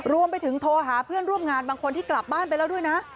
รวมไปถึงโทรหาเพื่อนร่วมงานบางคนที่กลับบ้านไปแล้วด้วยนะ